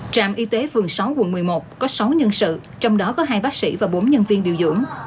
trạm y tế phường sáu quận một mươi một có sáu nhân sự trong đó có hai bác sĩ và bốn nhân viên điều dưỡng